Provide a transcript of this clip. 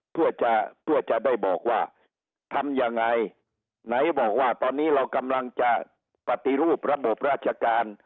เพื่อจะเพื่อจะได้บอกว่าทำยังไงไหนบอกว่าตอนนี้เรากำลังจะปฏิรูประบบราชการ